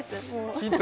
ヒント